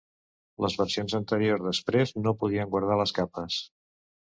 Les versions anteriors d'Express no podien guardar les capes.